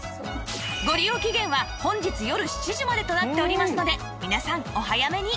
ご利用期限は本日よる７時までとなっておりますので皆さんお早めに